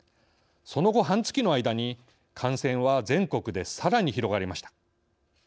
その後、半月の間に感染は全国でさらに広がりました。